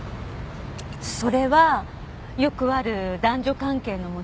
それはよくある男女関係のもつれ？